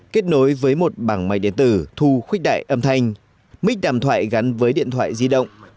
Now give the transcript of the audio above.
kết nối với một bảng máy điện tử thu khuếch đại âm thanh mix đàm thoại gắn với điện thoại di động